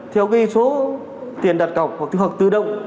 theo số tiền đặt cọc hoặc tự động